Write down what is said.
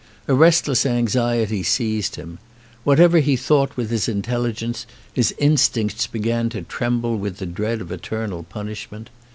A restless anxiety seized him. Whatever he thought with his intelligence his instincts began to tremble with the dread of eternal punishment.